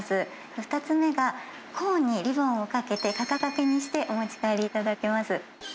２つ目が、コーンにリボンをかけて、肩掛けにしてお持ち帰りいただけます。